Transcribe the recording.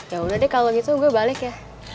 ya udah deh kalau gitu gue balik ya